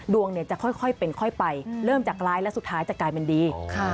ดวงเนี่ยจะค่อยเป็นค่อยไปเริ่มจากร้ายแล้วสุดท้ายจะกลายเป็นดี